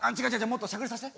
もっとしゃくれさせて。